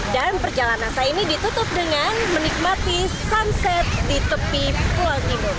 dan perjalanan saya ini ditutup dengan menikmati sunset di tepi pulau tidung